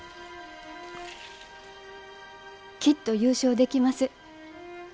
きっと優勝できます。